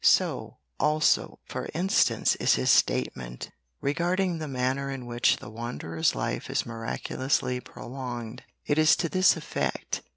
So, also, for instance is his statement regarding the manner in which the wanderer's life is miraculously prolonged. It is to this effect.